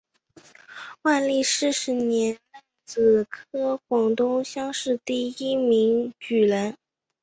万历四十年壬子科广东乡试第一名举人。